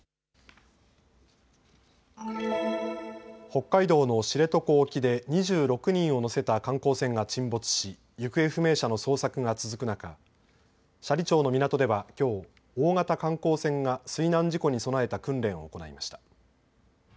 北海道の知床沖で２６人を乗せた観光船が沈没し行方不明者の捜索が続く中、斜里町の港ではきょう大型観光船が水難事故に備えた訓練を行いました。